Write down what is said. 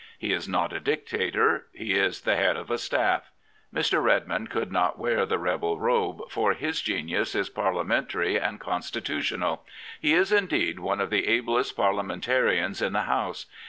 He is not a dictator ; he is the head of a staff. Mr. Redmond could not wear the rebel robe, for his genius is Parliamentary and constitutional. He is, indeed, one of the ablest Parliamentarians in the House.